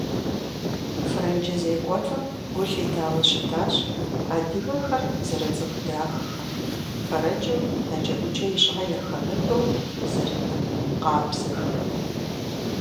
Франджы зекӏуэлӏым гу лъитауэ щытащ адыгэхэр зэрыцӏыху дахэхэм, фэрэкӏым наджэӏуджэ ищӏа яхэмыту зэрынэкӏу къабзэхэм.